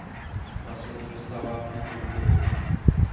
Následně dostává Peter výpověď.